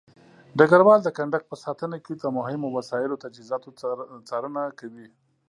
ډګروال د کندک په ساتنه کې د مهمو وسایلو او تجهيزاتو څارنه کوي.